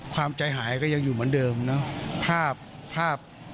ความใจหายก็ยังอยู่เหมือนเดิมนะ